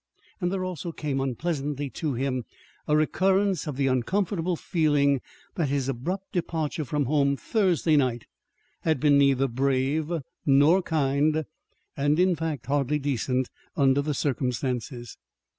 There also came unpleasantly to him a recurrence of the uncomfortable feeling that his abrupt departure from home Thursday night had been neither brave nor kind, and, in fact, hardly decent, under the circumstances.